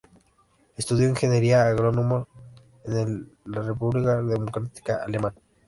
Estudió ingeniería agrónoma en la República Democrática Alemana.